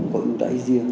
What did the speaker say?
có ưu đáy riêng